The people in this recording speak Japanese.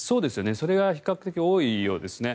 それが比較的多いようですね。